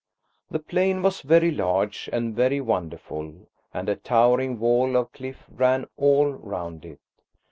The plain was very large and very wonderful, and a towering wall of cliff ran all round it.